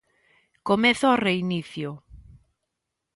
Comeza o reinicio.